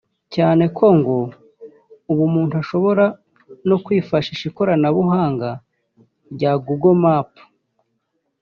cyane ko ngo ubu umuntu ashobora no kwifashisha ikoranabuhanga rya Google Map